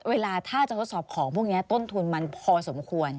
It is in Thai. เวลาถ้าจะทดสอบของพวกนี้ต้นทุนมันพอสมควร